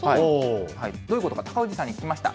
どういうことかと、高氏さんに聞きました。